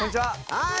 はい！